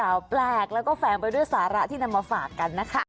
ข่าวแปลกแล้วก็แฝงไปด้วยสาระที่นำมาฝากกันนะคะ